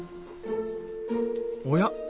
おや？